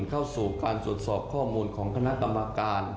เข้าสู่การตรวจสอบข้อมูลของคณะกรรมการ